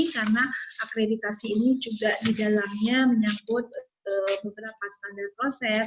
karena akreditasi ini juga di dalamnya menyangkut beberapa standar proses